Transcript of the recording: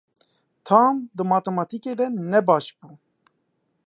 Tom di matematîkê de ne baş bû.